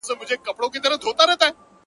له ورک یوسفه تعبیرونه غوښتل-